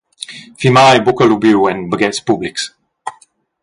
Fimar ei buca lubiu en baghetgs publics.